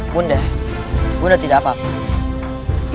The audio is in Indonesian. bunda bunda tidak apa apa